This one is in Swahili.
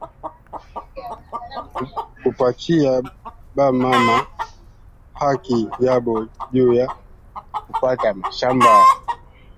kupachiya ba mama haki yabo njuu ya kupata mashamba